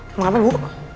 mau ngapain bu